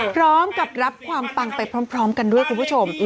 พร้อมกับรับความปังไปพร้อมกันด้วยคุณผู้ชม